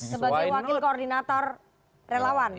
sebagai wakil koordinator relawan